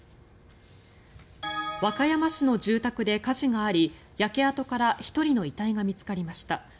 和歌山市の住宅で火事があり焼け跡から１人の遺体が見つかりました。